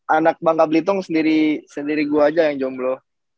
anak bangka blitong sendiri gua aja yang jomblo